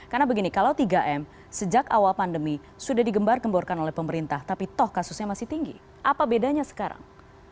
karena begini kalau tiga m sejak awal pandemi sudah digembar gemborkan oleh pemerintah tapi toh kasusnya masih tinggi apa bedanya sekarang